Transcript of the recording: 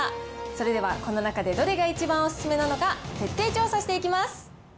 それでは、この中で、どれが一番お勧めなのか、徹底調査していきます。